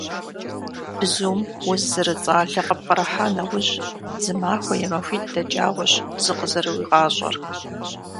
Бзум уз зэрыцӏалэ къыпкърыхьа нэужь, зы махуэ е махуитӏ дэкӏауэщ зыкъызэрыуигъащӏэр.